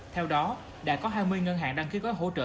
theo đó đã có hai mươi ngân hàng đăng ký gói hỗ trợ